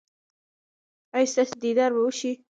ایا ستاسو دیدار به وشي؟